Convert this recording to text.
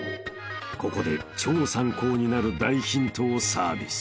［ここで超参考になる大ヒントをサービス］